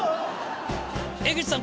江口さん